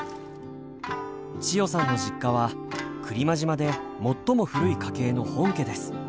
千代さんの実家は来間島で最も古い家系の本家です。